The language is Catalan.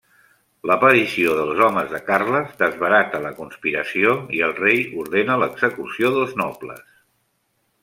L'aparició dels homes de Carles desbarata la conspiració i el rei ordena l'execució dels nobles.